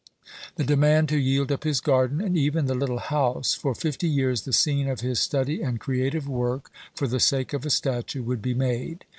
The demand to yield up his garden, and even the little house, for fifty years the scene of his study and creative work, for the sake of a statue, would be made.